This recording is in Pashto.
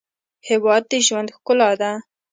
هېواد د ژوند ښکلا ده.